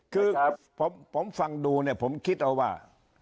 ก็ครับผมผมฟังดูเนี่ยผมฟังดูเนี่ยผมคิดเอาว่า